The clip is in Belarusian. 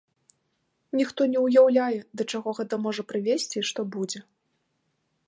Ніхто не ўяўляе, да чаго гэта можа прывесці і што будзе.